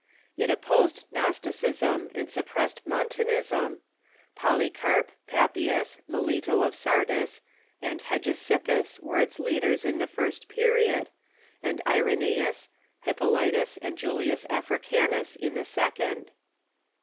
It opposed Gnosticism and suppressed Montanism. Polycarp, Papias, Melito of Sar dis, and Hegesippus were its leaders in its first period, and Irenaeus, Ilippolytus, and Julius Africanus in the second.